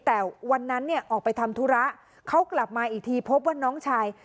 แต่วันนั้นเนี่ยออกไปทำธุระเขากลับมาอีกทีพบว่าน้องชาย